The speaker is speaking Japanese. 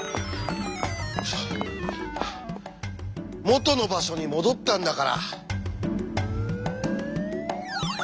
元の場所に戻ったんだから。